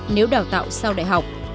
nếu đào tạo sau đại học